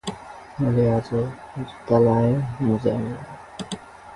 मैले आज जुत्ता लाएँ, मोजा मिलाएँ ।